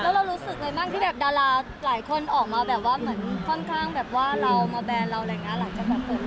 แล้วเรารู้สึกอะไรบ้างที่แบบดาราหลายคนออกมาแบบว่าเหมือนค่อนข้างแบบว่าเรามาแบรนด์เราอะไรแบบนี้